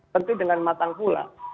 tentu dengan matang pula